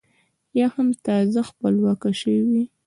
یا هم تازه خپلواکه شوې وي.